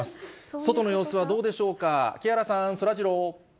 外の様子はどうでしょうか、木原さん、そらジロー。